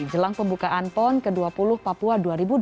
jelang pembukaan pon ke dua puluh papua dua ribu dua puluh